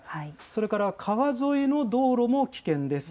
それから、川沿いの道路も危険です。